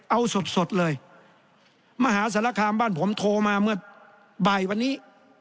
เอาสดสดเลยมหาสารคามบ้านผมโทรมาเมื่อบ่ายวันนี้